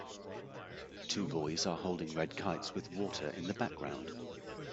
Two boys are holding red kites with water in the background.